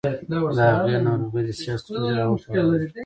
د هغې ناروغي د صحت ستونزې راوپارولې.